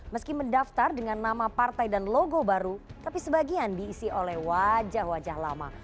meski mendaftar dengan nama partai dan logo baru tapi sebagian diisi oleh wajah wajah lama